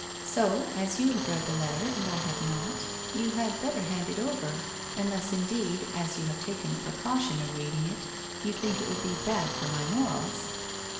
So, as you have read the letter, and I have not, you had better hand it over, unless indeed, as you have taken the precaution of reading it, you think it would be bad for my morals